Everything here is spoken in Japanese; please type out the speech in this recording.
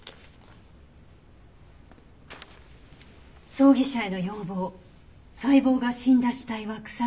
「葬儀社への要望」「細胞が死んだ死体は腐るのみ。